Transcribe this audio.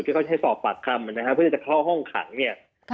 ที่เขาใช้สอบปัดคำเพื่อจะเข้าห้องขังเนี่ย